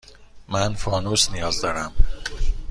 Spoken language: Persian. من فانوس نیاز دارم.